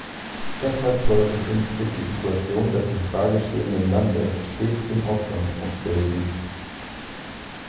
Deshalb sollte künftig die Situation des in Frage stehenden Landes stets den Ausgangspunkt bilden.